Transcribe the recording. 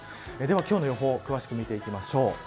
今日の予報を詳しく見ていきます。